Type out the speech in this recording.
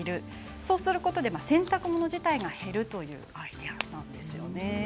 そうすることで洗濯物自体が減るというアイデアなんですよね。